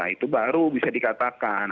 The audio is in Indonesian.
itu baru bisa dikatakan